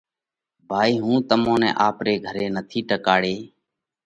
ڀائِي هُون تمون نئہ آپري گھري نٿي ٽڪاڙي